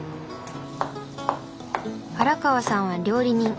原川さんは料理人。